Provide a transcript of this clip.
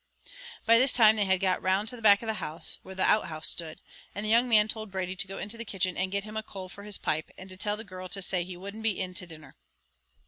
By this time they had got round to the back of the house, where the outhouse stood; and the young man told Brady to go into the kitchen and get him a coal for his pipe, and to tell the girl to say he wouldn't be in to dinner.